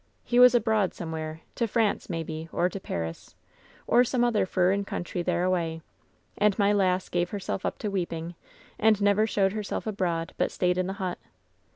He was abroad somewhere, to France, maybe, or to Paris, or some other furrin country thereaway. And my lass gave herself up to weeping, and never showed herself abroad, but stayed in the hut.